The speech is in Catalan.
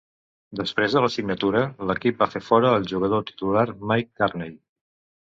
Després de la signatura, l'equip va fer fora el jugador titular Mike Karney.